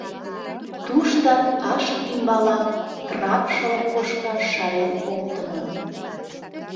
Туштак ашык ӱмбалан краб шылым кошкаш шарен оптымо.